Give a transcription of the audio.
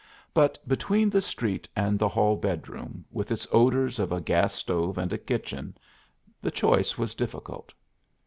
But between the street and the hall bedroom, with its odors of a gas stove and a kitchen, the choice was difficult.